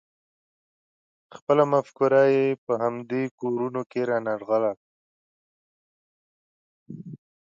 خپله مفکوره یې په همدې کورونو کې رانغاړله.